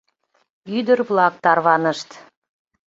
Ӱдыр-влак тарванышт.